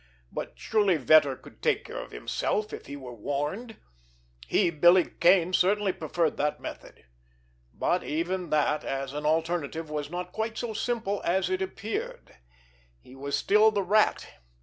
But surely Vetter could take care of himself if he were warned! He, Billy Kane, certainly preferred that method! But, even that, as an alternative, was not quite so simple as it appeared. He was still the Rat.